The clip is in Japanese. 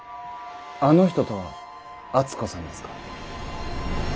あの人とはアツ子さんですか？